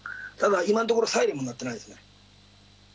ただ今のところ、サイレンは鳴ってないですね。